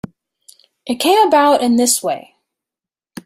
It came about in this way.